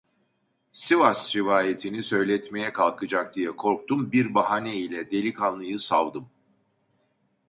Sivas rivayetini söyletmeye kalkacak diye korktum, bir bahane ile delikanlıyı savdım.